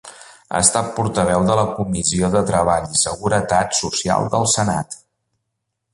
Ha estat portaveu de la Comissió de Treball i Seguretat Social del Senat.